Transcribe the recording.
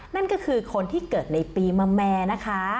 นั่นก็คือคนที่เกิดในปีมะแม่นะคะ